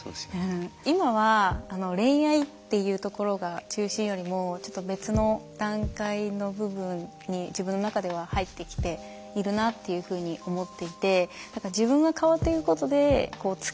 今は恋愛っていうところが中心よりもちょっと別の段階の部分に自分の中では入ってきているなっていうふうに思っていて。